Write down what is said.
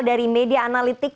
dari media analitik